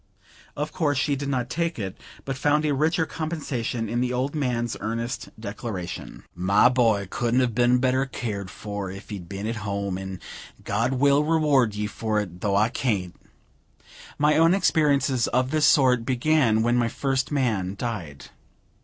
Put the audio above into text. Of course, she did not take it, but found a richer compensation in the old man's earnest declaration: "My boy couldn't have been better cared for if he'd been at home; and God will reward you for it, though I can't." My own experiences of this sort began when my first man died.